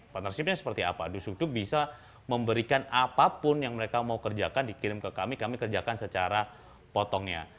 partnershipnya seperti apa dus itu bisa memberikan apapun yang mereka mau kerjakan dikirim ke kami kami kerjakan secara potongnya